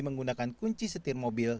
menggunakan kunci setir mobil